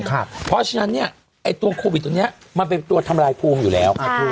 เพราะฉะนั้นเนี่ยไอ้ตัวโควิดตรงนี้มันเป็นตัวทำลายภูมิอยู่แล้ว